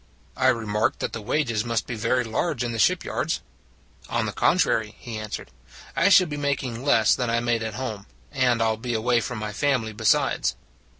I remarked that the wages must be very large in the shipyards. " On the contrary," he answered, " I shall be making less than I made at home and I 11 be away from my family be sides.